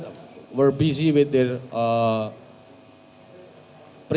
sibuk dengan tugas mereka sendiri